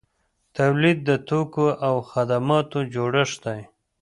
تولید د توکو او خدماتو جوړښت دی.